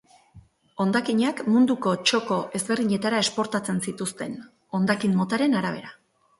Hondakinak munduko txoko ezberdinetara esportatzen zituzten, hondakin motaren arabera.